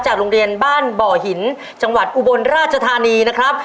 โรงเรียนบ้านบ่อหินจังหวัดอุบลราชธานีนะครับ